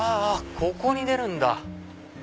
ここに出るんだ。